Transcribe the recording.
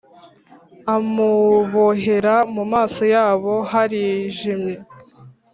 amubohera mu maso yabo harijimye